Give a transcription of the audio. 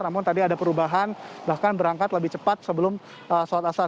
namun tadi ada perubahan bahkan berangkat lebih cepat sebelum sholat asar